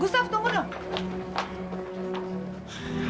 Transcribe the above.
gustaf tunggu dong